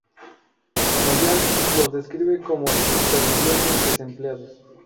Mayall los describe como "supervivientes desempleados".